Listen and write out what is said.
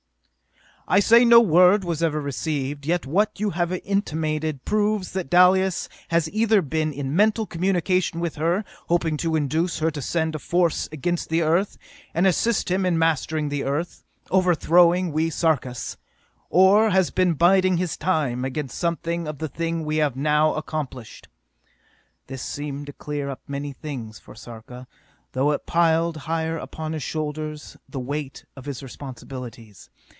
"I say no word was ever received, yet what you have intimated proves that Dalis has either been in mental communication with her, hoping to induce her to send a force against the Earth, and assist him in mastering the Earth, overthrowing we Sarkas or has been biding his time against something of the thing we have now accomplished." This seemed to clear up many things for Sarka, though it piled higher upon his shoulders the weight of his responsibilities.